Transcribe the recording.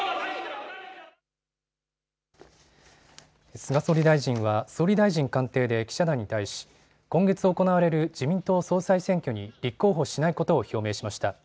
菅総理大臣は総理大臣官邸で記者団に対し今月行われる自民党総裁選挙に立候補しないことを表明しました。